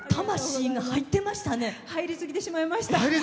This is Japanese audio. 入りすぎてしまいました。